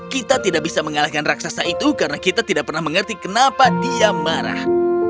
kita tidak bisa mengalahkan raksasa itu karena kita tidak pernah mengerti kenapa dia marah